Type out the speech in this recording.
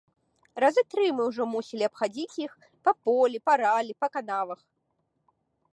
Разы тры мы ўжо мусілі абхадзіць іх па полі, па раллі, па канавах.